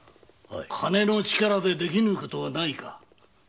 金の力でできぬことはないか。